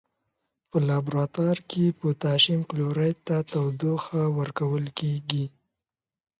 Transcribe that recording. په لابراتوار کې پوتاشیم کلوریت ته تودوخه ورکول کیږي.